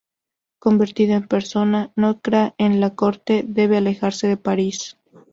Convertida en persona "non grata" en la corte, debe alejarse de París.